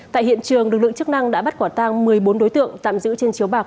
tại hiện trường lực lượng chức năng đã bắt quả tang một mươi bốn đối tượng tạm giữ trên chiếu bạc